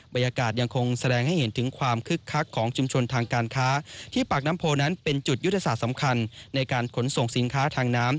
ยังคงแสดงให้เห็นถึงความคึกคักของชุมชนทางการค้าที่ปากน้ำโพนั้นเป็นจุดยุทธศาสตร์สำคัญในการขนส่งสินค้าทางน้ำ